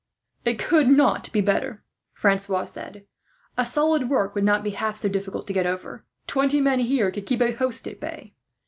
"It could not be better," Francois said. "A solid work would not be half so difficult to get over. Twenty men here could keep a host at bay."